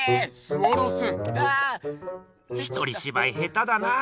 ひとりしばい下手だなぁ。